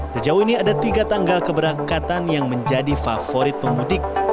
sejauh ini ada tiga tanggal keberangkatan yang menjadi favorit pemudik